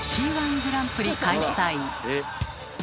「Ｃ−１グランプリ」開催！